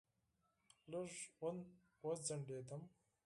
لږ وځنډېدم.